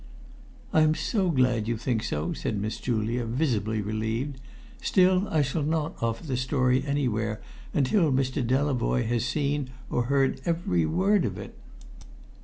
"I am so glad you think so," said Miss Julia, visibly relieved. "Still, I shall not offer the story anywhere until Mr. Delavoye has seen or heard every word of it."